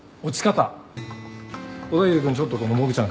小田切君ちょっとこのモグちゃん借りるよ。